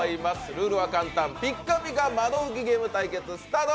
ルールは簡単、「ピッカピカ窓ふき」ゲーム対決スタート。